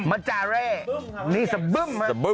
มัจจาระนี่สบึม